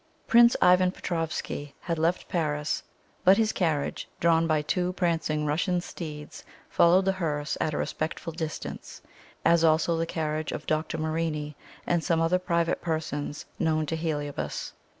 Prince Ivan Petroffsky had left Paris, but his carriage, drawn by two prancing Russian steeds, followed the hearse at a respectful distance, as also the carriage of Dr. Morini, and some other private persons known to Heliobas.